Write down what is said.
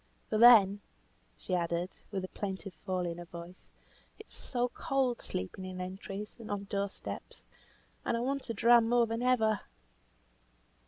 For then," she added, with a plaintive fall in her voice, "it is so cold sleeping in entries, and on door steps, and I want a dram more than ever."